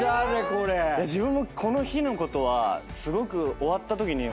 自分もこの日のことはすごく終わったときに。